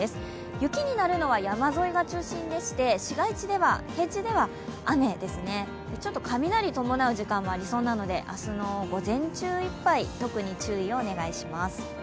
雪になるのは山沿いが中心でして、市街地では、平地では雨ですね、ちょっと雷を伴う時間もありそうなので明日の午前中いっぱい、特に注意をお願いします。